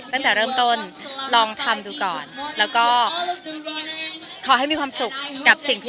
ตั้งแต่เริ่มต้นลองทำดูก่อนแล้วก็ขอให้มีความสุขกับสิ่งที่